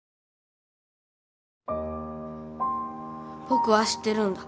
僕は知ってるんだ。